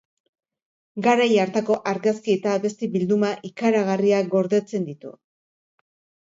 Garai hartako argazki eta abesti bilduma ikaragarria gordetzen ditu.